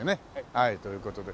はいという事で。